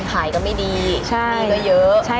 ขายก็ไม่ดีมีก็เยอะ